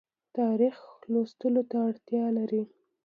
تاریخ لوستلو ته اړتیا لري